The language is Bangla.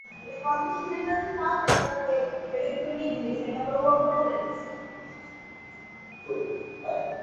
একদল মানুষ আছে, যারা অন্যদের বিরক্ত করে আনন্দ পায়।